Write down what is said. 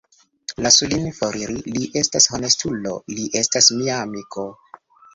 Lasu lin foriri; li estas honestulo; li estas mia amiko!